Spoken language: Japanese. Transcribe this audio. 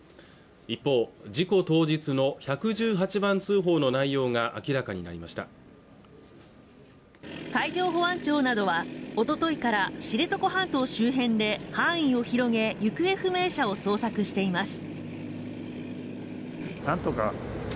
一方事故当日の１１８番通報の内容が明らかになりました海上保安庁などはおとといから知床半島周辺で範囲を広げ行方不明者を捜索しています